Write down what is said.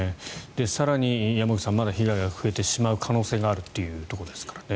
更に山口さんまだ被害が増えてしまう可能性があるというところですからね。